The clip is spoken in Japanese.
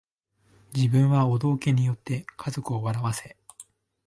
自分はお道化に依って家族を笑わせ